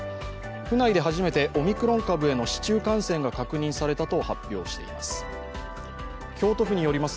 府内で初めてオミクロン株への市中感染が確認されたと発表しています。